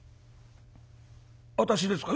私ですか？」。